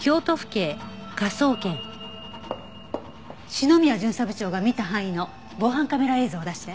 篠宮巡査部長が見た範囲の防犯カメラ映像を出して。